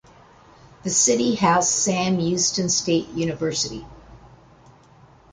The city has Sam Houston State University.